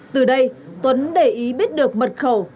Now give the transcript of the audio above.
từ đây tuấn để ý biết được mật khẩu